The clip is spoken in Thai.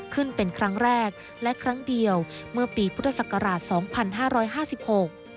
ขึ้นเป็นครั้งแรกและครั้งเดียวเมื่อปีพุทธศักราช๒๕๕๖